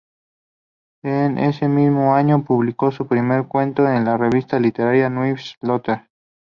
En ese mismo año publicó su primer cuento en la revista literaria "New Letters.